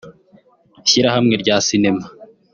ishyirahamwe rya Sinema